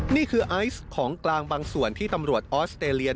นี่คือไอซ์ของกลางบางส่วนที่ตำรวจออสเตรเลีย